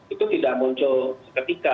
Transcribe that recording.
itu tidak muncul ketika